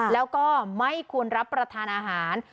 แล้วก็ไม่ควรรับประทานอาหาร